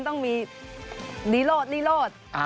ต้องมีรีโรดรีโรด